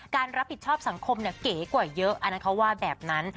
การรับผิดชอบสังคมเก๋กว่าเยอะอันนั้นเขาว่าแบบนั้น